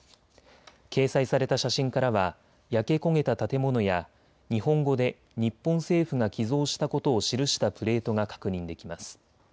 掲載された写真からは焼け焦げた建物や日本語で日本政府が寄贈したことを記したプレートが確認できます。